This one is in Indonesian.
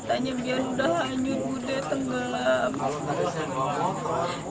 katanya biar sudah hanyut budaya tenggelam